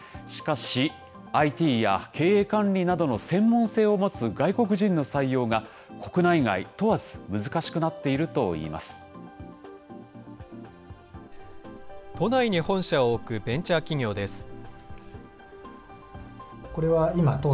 しかし、ＩＴや経営管理などの専門性を持つ外国人の採用が、国内外問わず難しくなっているといい都内に本社を置くベンチャー企業です。